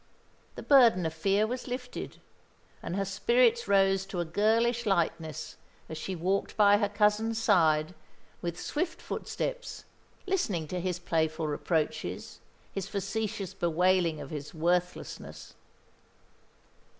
The burden of fear was lifted; and her spirits rose to a girlish lightness, as she walked by her cousin's side with swift footsteps, listening to his playful reproaches, his facetious bewailing of his worthlessness.